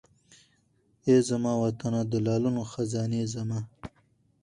اې زما وطنه د لالونو خزانې زما